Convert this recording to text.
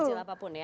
iya sekecil apapun